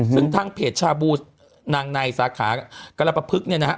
ซึ่งทางเพจชาบูนางในสาขากรปภึกเนี่ยนะฮะ